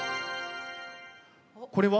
これは？